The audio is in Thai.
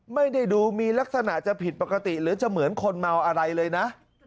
ไม่ได้ดูมีลักษณะจะผิดปกติหรือจะเหมือนคนเมาอะไรเลยนะ